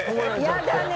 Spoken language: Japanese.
やだね。